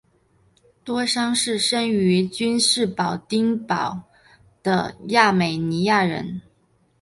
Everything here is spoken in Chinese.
多桑是生于君士坦丁堡的亚美尼亚人。